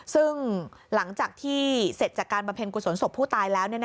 ซึ่งหลังจากที่เสร็จจากการบำเพ็ญกุศลศพผู้ตายแล้ว